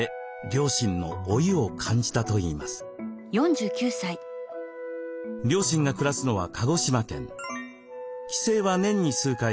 両親が暮らすのは鹿児島県。